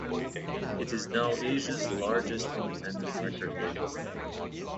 It is now Asia's largest independent record label.